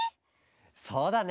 そうだね。